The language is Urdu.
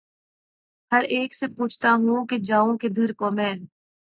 ہر اک سے پوچھتا ہوں کہ ’’ جاؤں کدھر کو میں